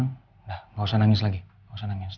udah nggak usah nangis lagi nggak usah nangis